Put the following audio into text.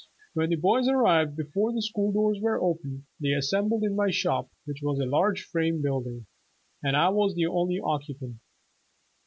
Whe}^ the boys arrived before school doors were open, they assembled in my shop, which w^as a large frame building, and I was the only occupant.